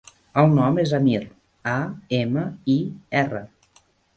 El nom és Amir: a, ema, i, erra.